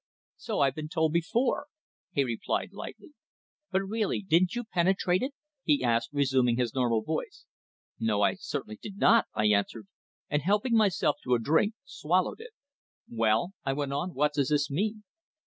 "So I've been told before," he replied lightly. "But, really, didn't you penetrate it?" he asked, resuming his normal voice. "No. I certainly did not," I answered, and helping myself to a drink, swallowed it. "Well?" I went on. "What does this mean?"